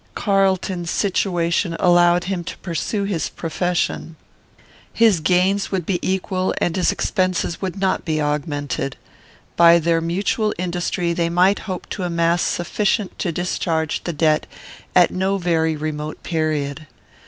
Carlton's situation allowed him to pursue his profession. His gains would be equal, and his expenses would not be augmented. By their mutual industry they might hope to amass sufficient to discharge the debt at no very remote period.